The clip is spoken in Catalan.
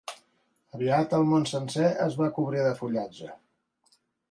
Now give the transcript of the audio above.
Aviat el món sencer es va cobrir de fullatge.